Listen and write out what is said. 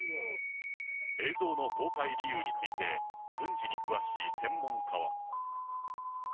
映像の公開理由について、軍事に詳しい専門家は。